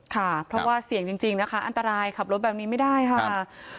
ค่ะเพราะว่าเสี่ยงจริงนะคะอันตรายขับรถแบบนี้ไม่ได้ค่ะ